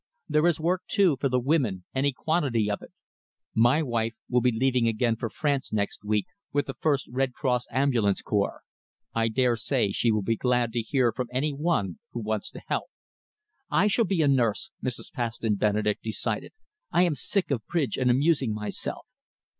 There is work, too, for the women, any quantity of it. My wife will be leaving again for France next week with the first Red Cross Ambulance Corps. I dare say she will be glad to hear from any one who wants to help." "I shall be a nurse," Mrs. Paston Benedek decided. "I am sick of bridge and amusing myself."